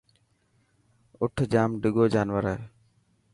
اَٺ جام ڊڳو جانور هي.